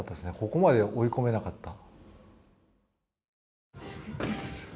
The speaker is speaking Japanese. ここまで追い込めなかった。